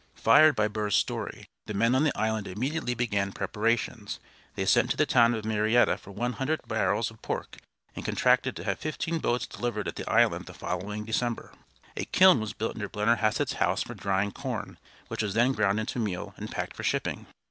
Fired by Burr's story the men on the island immediately began preparations. They sent to the town of Marietta for one hundred barrels of pork, and contracted to have fifteen boats delivered at the island the following December. A kiln was built near Blennerhassett's house for drying corn, which was then ground into meal, and packed for shipping.